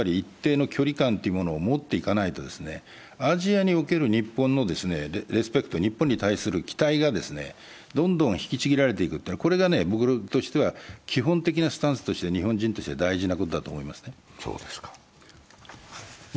アメリカに対する一定の距離感を持っていかないとアジアにおける日本のリスペクト、日本に対する期待がどんどん引きちぎられていく、これが僕としては基本的なスタンスとして、日本人として大事なことだと思いますね。